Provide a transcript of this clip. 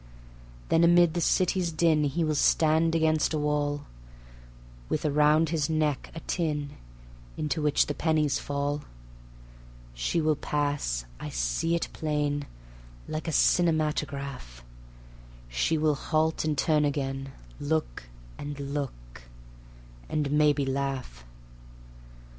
Then amid the city's din He will stand against a wall, With around his neck a tin Into which the pennies fall. She will pass (I see it plain, Like a cinematograph), She will halt and turn again, Look and look, and maybe laugh.